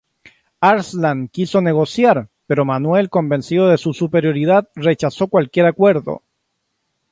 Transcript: Arslan quiso negociar, pero Manuel, convencido de su superioridad, rechazó cualquier acuerdo.